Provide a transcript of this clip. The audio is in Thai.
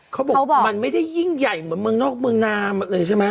เขาบอกมันไม่ได้ยิ่งใหญ่เหมือนเมืองนอกเมืองนามเลยใช่ไหม